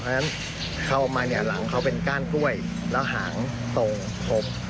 เพราะฉะนั้นเข้ามาหลังเขาเป็นก้านกล้วยแล้วหางโตผม